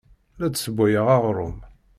La d-ssewwayeɣ aɣrum.